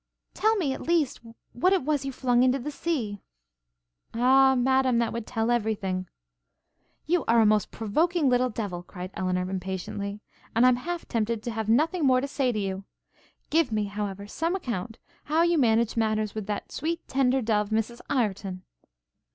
'Tell me, at least, what it was you flung into the sea?' 'Ah, Madam, that would tell every thing!' 'You are a most provoking little devil,' cried Elinor, impatiently, 'and I am half tempted to have nothing more to say to you. Give me, however, some account how you managed matters with that sweet tender dove Mrs Ireton.'